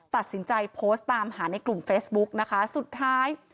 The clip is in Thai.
ตัดสินใจโพสต์ตามหาในกลุ่มเฟซบุ๊กนะคะสุดท้าย